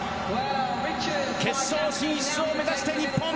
決勝進出を目指して日本。